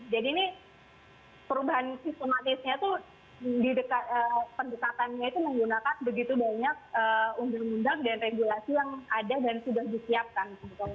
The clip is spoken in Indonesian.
jadi ini perubahan sistematisnya itu pendekatannya itu menggunakan begitu banyak undang undang dan regulasi yang ada dan sudah disiapkan